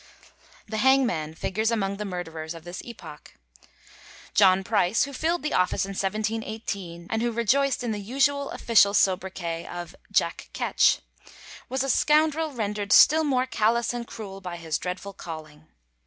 The hangman figures among the murderers of this epoch. John Price, who filled the office in 1718, and who rejoiced in the usual official soubriquet of "Jack Ketch," was a scoundrel rendered still more callous and cruel by his dreadful calling.